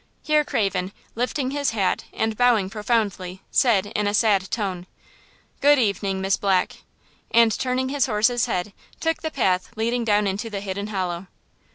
Here Craven, lifting his hat and bowing profoundly, said, in a sad tone: "Good evening, Miss Black," and, turning his horse's head, took the path leading down into the Hidden Hollow.